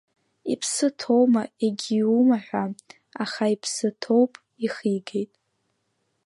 Иԥсы ҭоума, егьиума ҳәа, аха иԥсы ҭоуп, ихигеит…